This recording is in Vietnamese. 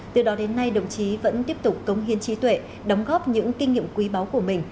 từ đó đến nay đồng chí vẫn tiếp tục cống hiến trí tuệ đóng góp những kinh nghiệm quý báu của mình